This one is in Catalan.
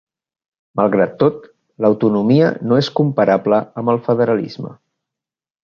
Malgrat tot, l'autonomia no és comparable amb el federalisme.